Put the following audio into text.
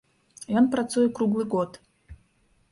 Ён працуе круглы год.